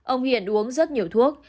ông hiện uống rất nhiều thuốc